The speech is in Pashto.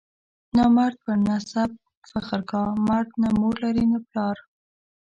نامرد پر نسب فخر کا، مرد نه مور لري نه پلار.